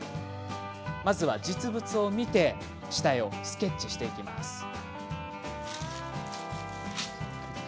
まずは、実物を見て下絵をスケッチしていきます。